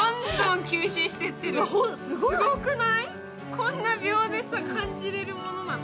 こんな秒で感じれるものなの？